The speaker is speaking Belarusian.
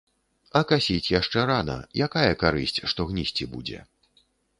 А касіць яшчэ рана, якая карысць, што гнісці будзе.